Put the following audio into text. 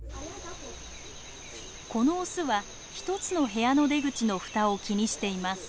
このオスは一つの部屋の出口の蓋を気にしています。